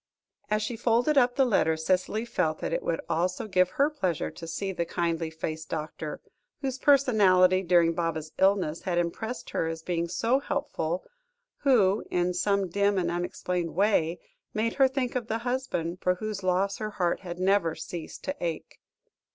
As she folded up the letter, Cicely felt that it would also give her pleasure to see the kindly faced doctor, whose personality during Baba's illness, had impressed her as being so helpful, who, in some dim and unexplained way, made her think of the husband, for whose loss her heart had never ceased to ache.